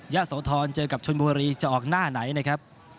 โสธรเจอกับชนบุรีจะออกหน้าไหนนะครับ